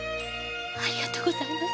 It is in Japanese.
ありがとうございます。